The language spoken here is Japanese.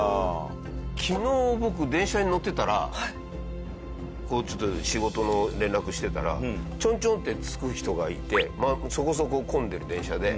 昨日僕電車に乗ってたらこうちょっと仕事の連絡してたらちょんちょんってつつく人がいてそこそこ混んでる電車で。